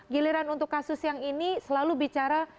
giliran untuk kasus yang ini selalu bicara